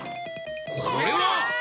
これは！